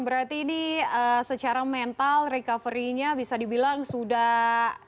berarti ini secara mental recovery nya bisa dibilang sudah